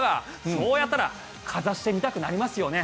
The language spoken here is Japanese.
そうやったらかざしてみたくなりますよね。